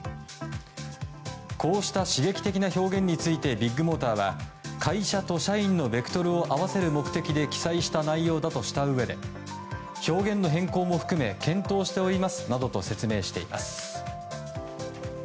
こうした刺激的な表現についてビッグモーターは会社と社員のベクトルを合わせる目的で記載した内容だとしたうえで表現の変更も含め検討しておりますなどと説明しています。